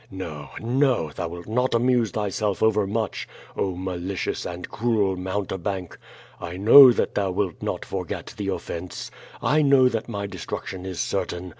No! No! Thou wilt not amuse thyself overmuch, oh, malicious and cruel mounte bank. I know that thou wait not forget the offence. I know that my destruction is certain.